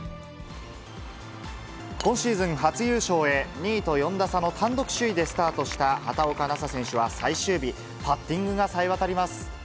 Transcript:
今シーズン初優勝へ、２位と４打差の単独首位でスタートした、畑岡奈紗選手は最終日、パッティングがさえ渡ります。